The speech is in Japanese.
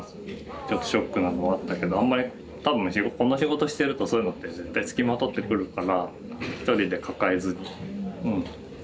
ちょっとショックなのはあったけどあんまり多分この仕事してるとそういうのって絶対付きまとってくるから一人で抱えずにうん。